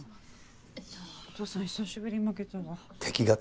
お父さん久しぶりに負けたわ